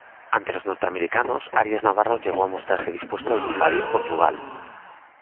Ante los norteamericanos, Arias Navarro llegó a mostrarse dispuesto a invadir Portugal.